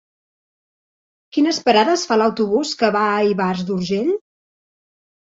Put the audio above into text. Quines parades fa l'autobús que va a Ivars d'Urgell?